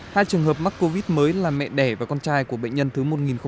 hai trường hợp mắc covid mới là mẹ đẻ và con trai của bệnh nhân thứ một nghìn một mươi sáu